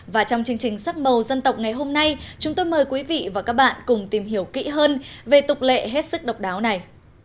và trong chương trình sắc màu dân tộc ngày hôm nay chúng tôi mời quý vị và các bạn cùng tìm hiểu kỹ hơn về tục lệ hết sức độc đáo này